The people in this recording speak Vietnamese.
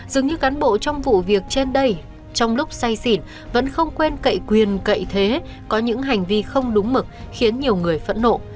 dường như cán bộ trong vụ việc trên đây trong lúc say xỉn vẫn không quên cậy quyền cậy thế có những hành vi không đúng mực khiến nhiều người phẫn nộ